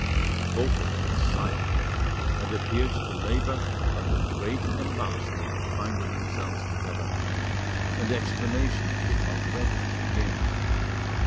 Both of them were silent, and appeared to labour under great embarrassment at finding themselves together, and explanations did not readily begin.